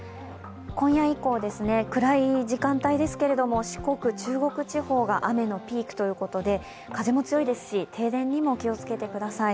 今夜以降、暗い時間帯ですけれども、四国・中国地方が雨のピークということで、風も強いですし停電にも気をつけてください。